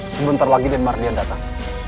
sebentar lagi den mardian datang